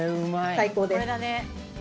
最高です！